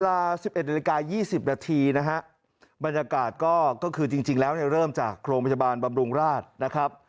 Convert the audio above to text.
เวลา๑๑นาฬิกา๒๐นาทีบรรยากาศก็คือจริงแล้วเริ่มจากโรงพยาบาลบำรุงราช